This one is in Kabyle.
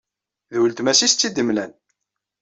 D weltma-s i as-tt-id-imlan.